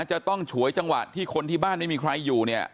ฉวยจังหวะที่คนที่บ้านไม่มีใครอยู่เนี่ย